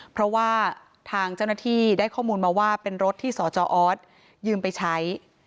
เพราะว่าทางเจ้าหน้าที่ได้ข้อมูลมาว่าเป็นรถที่สจออสยืมไปใช้